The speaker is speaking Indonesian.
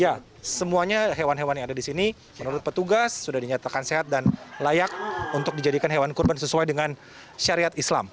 ya semuanya hewan hewan yang ada di sini menurut petugas sudah dinyatakan sehat dan layak untuk dijadikan hewan kurban sesuai dengan syariat islam